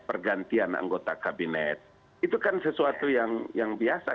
pergantian anggota kabinet itu kan sesuatu yang biasa